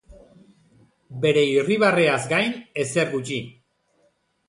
Bere irribarreaz gain, ezer gutxi.